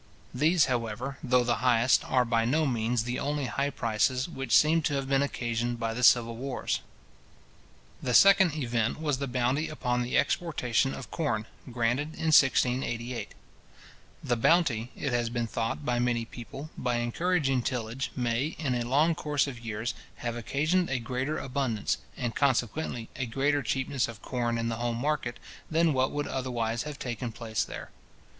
These, however, though the highest, are by no means the only high prices which seem to have been occasioned by the civil wars. The second event was the bounty upon the exportation of corn, granted in 1688. The bounty, it has been thought by many people, by encouraging tillage, may, in a long course of years, have occasioned a greater abundance, and, consequently, a greater cheapness of corn in the home market, than what would otherwise have taken place there.